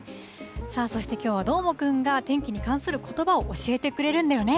さあ、そしてきょうは、どーもくんが天気に関することばを教えてくれるんだよね。